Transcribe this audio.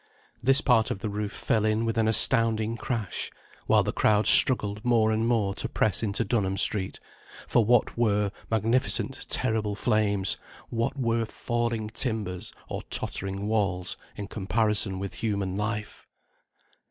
This part of the roof fell in with an astounding crash, while the crowd struggled more and more to press into Dunham Street, for what were magnificent terrible flames, what were falling timbers or tottering walls, in comparison with human life?